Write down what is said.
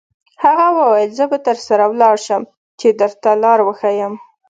هغه وویل: زه به درسره ولاړ شم، چې درته لار وښیم.